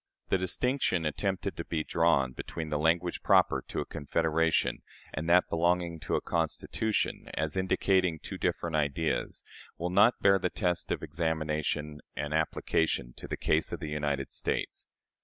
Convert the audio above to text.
The distinction attempted to be drawn between the language proper to a confederation and that belonging to a constitution, as indicating two different ideas, will not bear the test of examination and application to the case of the United States.